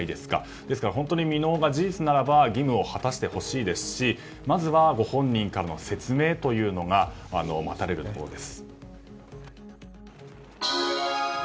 ですから未納が事実ならば義務を果たしてほしいですしまずはご本人からの説明が待たれるところです。